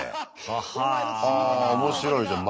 はあ面白いじゃん。